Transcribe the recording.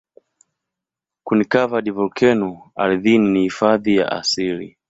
Kuni-covered volkeno ardhini ni hifadhi ya asili.